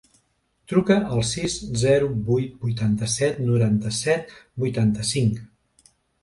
Truca al sis, zero, vuit, vuitanta-set, noranta-set, vuitanta-cinc.